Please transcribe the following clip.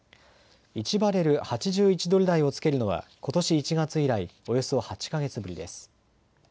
１バレル８１ドル台をつけるのはことし１月以来、およそ８か月ぶりです。